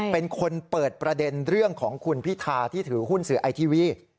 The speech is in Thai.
เป็นคนเปิดประเด็นเรื่องของคุณพิธาที่ถือหุ้นสื่อไอทีวี